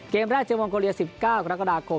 เกมแรกเจอมองโกเลีย๑๙กรกฎาคม